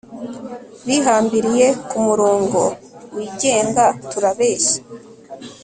bihambiriye kumurongo wigenga, turabeshya